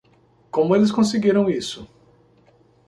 Como eles conseguiram isso?